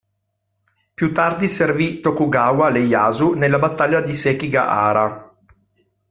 Più tardi servì Tokugawa Ieyasu nella battaglia di Sekigahara.